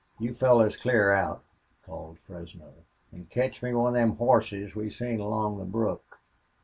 "You fellers clear out," called Fresno, "an ketch me one of them hosses we seen along the brook."